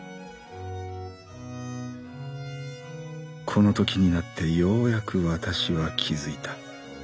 このときになってようやくわたしは気づいた。